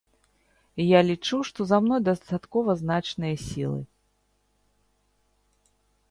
Я лічу, што за мной дастаткова значныя сілы.